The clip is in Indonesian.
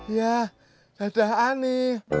ya dadah ani